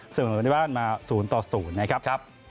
เสริมสมมุติบ้านมาสูญต่อสูญนะครับ